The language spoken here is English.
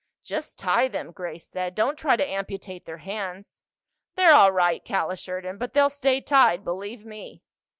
"Just tie them," Grace said. "Don't try to amputate their hands." "They're all right," Cal assured him. "But they'll stay tied, believe me."